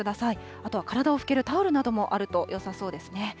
あとは体を拭けるタオルなどもあるとよさそうですね。